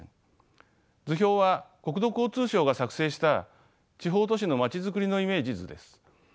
図表は国土交通省が作成した地方都市のまちづくりのイメージ図です。